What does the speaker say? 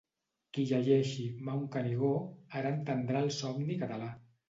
Qui llegeixi ‘Mount Canigó’ ara entendrà el somni català.